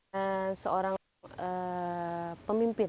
dan seorang pemimpin